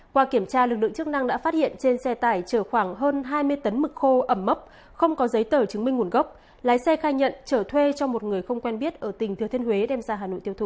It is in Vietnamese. qua kiểm tra lực lượng chức năng đã phát hiện trên xe tải chở khoảng hơn hai mươi tấn mực khô ẩm mốc không có giấy tờ chứng minh nguồn gốc lái xe khai nhận trở thuê cho một người không quen biết ở tỉnh thừa thiên huế đem ra hà nội tiêu thụ